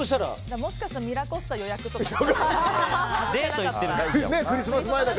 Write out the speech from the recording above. もしかしたらミラコスタ予約とか。